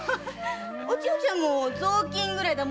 おちよちゃんも雑巾ぐらいだもんねえ？